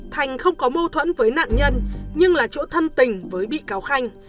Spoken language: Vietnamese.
thành không có mâu thuẫn với nạn nhân nhưng là chỗ thân tình với bị cáo khanh